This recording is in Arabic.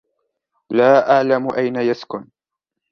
لا أعلم أين يسكن.